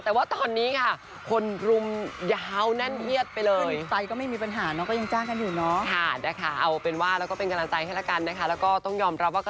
แต่ว่าตอนนี้ค่ะคนรุมยาวแน่นเยียดไปเลย